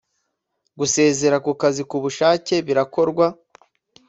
Gusezera ku kazi ku bushake birakorwa